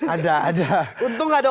ada ada untung ada